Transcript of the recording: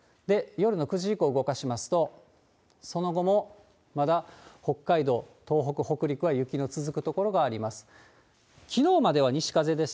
夜の９時以降、動かしますと、その後もまだ北海道、東北、北陸は雪の続く所があります。